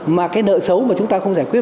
mà cái nợ xấu mà chúng ta không giải quyết